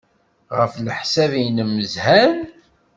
Ɣef leḥsab-nnem, zhan?